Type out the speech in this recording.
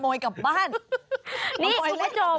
มันปล่อยเล่นกับภาษาได้ด้วย